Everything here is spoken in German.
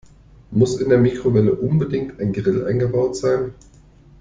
Muss in der Mikrowelle unbedingt ein Grill eingebaut sein?